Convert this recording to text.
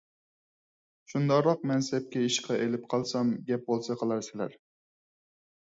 شۇنداقراق مەنسەپكە ئىشقا ئېلىپ قالسام گەپ بولسا قىلارسىلەر.